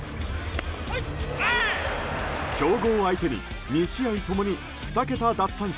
強豪相手に２試合共に２桁奪三振。